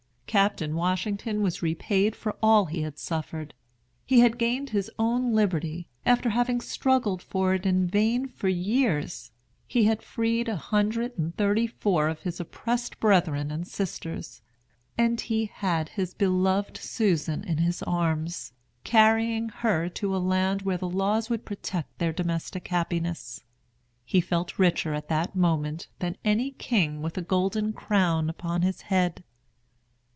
Captain Washington was repaid for all he had suffered. He had gained his own liberty, after having struggled for it in vain for years; he had freed a hundred and thirty four of his oppressed brethren and sisters; and he had his beloved Susan in his arms, carrying her to a land where the laws would protect their domestic happiness. He felt richer at that moment than any king with a golden crown upon his head.